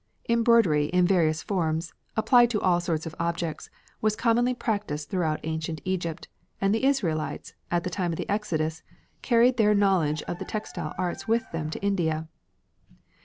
Embroidery in various forms, applied to all sorts of objects, was commonly practised throughout ancient Egypt, and the Israelites, at the time of the Exodus, carried their knowledge of the textile arts with them to India.